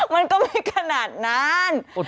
มันก็ไม่ขนาดนั้น